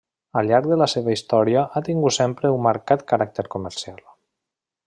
Al llarg de la seva història ha tingut sempre un marcat caràcter comercial.